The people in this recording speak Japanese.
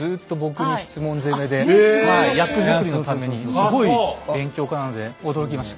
すごい勉強家なので驚きました。